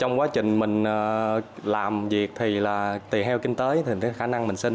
trong quá trình mình làm việc thì là tùy theo kinh tế thì khả năng mình sinh